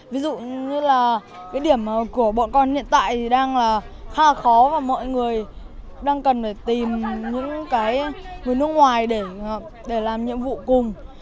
ví dụ như là cái điểm của bọn con hiện tại thì đang là khá là khó và mọi người đang cần phải tìm những cái người nước ngoài để làm nhiệm vụ cùng